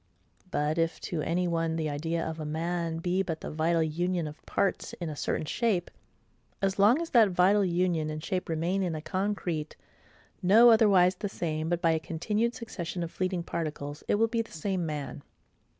But if to any one the idea of a man be but the vital union of parts in a certain shape; as long as that vital union and shape remain in a concrete, no otherwise the same but by a continued succession of fleeting particles, it will be the SAME MAN.